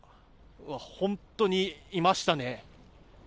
本当にいましたね。